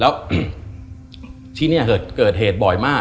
แล้วที่นี่เกิดเหตุบ่อยมาก